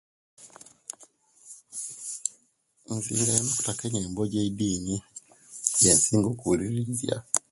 Insiga kutaka nyembo gye'iddini jensinga okubulilisya